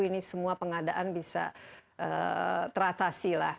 ini semua pengadaan bisa teratasi lah